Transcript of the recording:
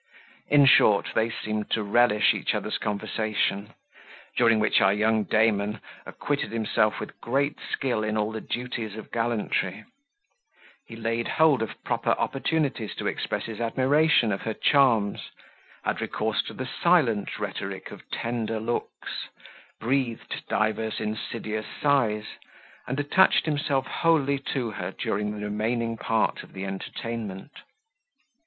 In short, they seemed to relish each other's conversation, during which our young Damon acquitted himself with great skill in all the duties of gallantry: he laid hold of proper opportunities to express his admiration of her charms, had recourse to the silent rhetoric of tender looks, breathed divers insidious sighs, and attached himself wholly to her during the remaining part of the entertainment.